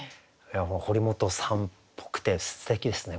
堀本さんっぽくてすてきですね